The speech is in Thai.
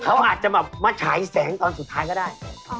เขาอาจจะแบบมาฉายแสงตอนสุดท้ายก็ได้